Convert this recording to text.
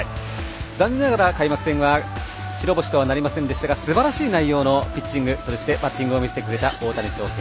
残念ながら開幕戦白星となりませんでしたがすばらしいピッチングとそしてバッティングを見せてくれた、大谷翔平。